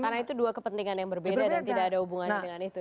karena itu dua kepentingan yang berbeda dan tidak ada hubungannya dengan itu